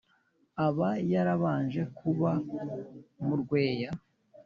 Aba yarabanje kuba mu Rweya,